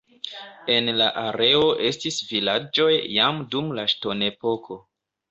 En la areo estis vilaĝoj jam dum la ŝtonepoko.